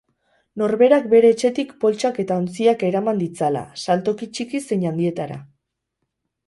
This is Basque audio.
Norberak bere etxetik poltsak eta ontziak eraman ditzala, saltoki txiki zein handietara.